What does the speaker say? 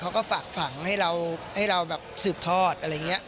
เขาก็ฝากฝังให้เราซืบทอดอะไรอย่างเงี้ย